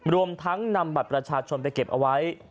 รวมทั้งนำบัตรประชาชนไปเก็บเอาไว้